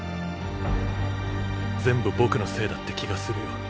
全部僕のせいだって気がするよ。